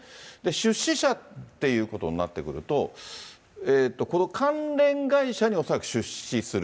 出資者っていうことになってくると、この関連会社に恐らく出資する。